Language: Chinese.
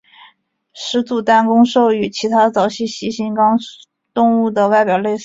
始祖单弓兽与其他早期蜥形纲动物的外表类似。